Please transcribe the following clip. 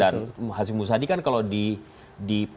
dan hasim musadi kan kalau dipakai